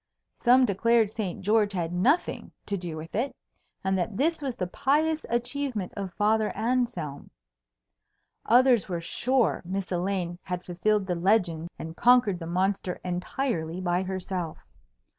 Some declared Saint George had nothing to do with it, and that this was the pious achievement of Father Anselm. Others were sure Miss Elaine had fulfilled the legend and conquered the monster entirely by herself.